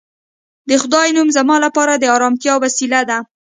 د خدای نوم زما لپاره د ارامتیا وسیله ده